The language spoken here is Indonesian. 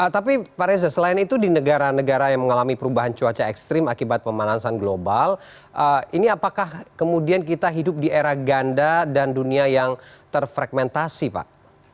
tapi pak reza selain itu di negara negara yang mengalami perubahan cuaca ekstrim akibat pemanasan global ini apakah kemudian kita hidup di era ganda dan dunia yang terfragmentasi pak